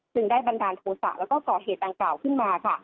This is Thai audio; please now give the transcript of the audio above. จึงได้บรรตาลโทรศักดิ์ก่อเหตุตังเก่าขึ้นมา